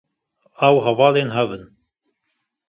Ew hevalên hev in